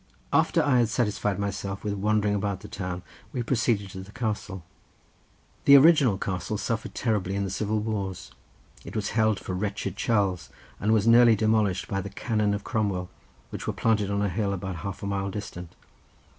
After I had satisfied myself with wandering about the town we proceeded to the castle. The original castle suffered terribly in the civil wars; it was held for wretched Charles, and was nearly demolished by the cannon of Cromwell, which were planted on a hill about half a mile distant.